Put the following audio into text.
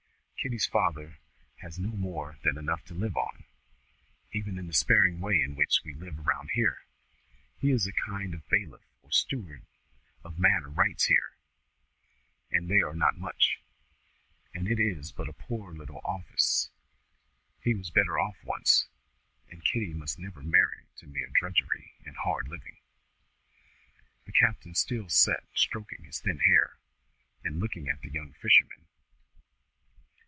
"Kitty's father has no more than enough to live on, even in the sparing way in which we live about here. He is a kind of bailiff or steward of manor rights here, and they are not much, and it is but a poor little office. He was better off once, and Kitty must never marry to mere drudgery and hard living." The captain still sat stroking his thin hair, and looking at the young fisherman.